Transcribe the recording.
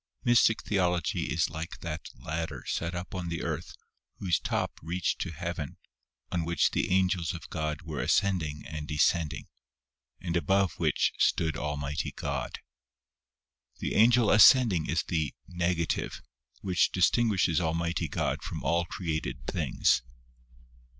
MYSTIC THEOLOGY is like that ladder set up on the earth whose top reached to Heaven on which the angels of God were ascending and descending, and above which stood Almighty God. The Angel ascending is the " negative " which distinguishes Almighty God from all created things.